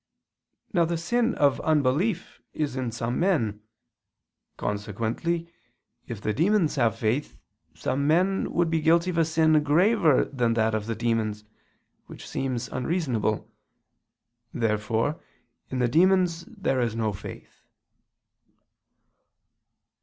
Now the sin of unbelief is in some men. Consequently, if the demons have faith, some men would be guilty of a sin graver than that of the demons, which seems unreasonable. Therefore in the demons there is no faith.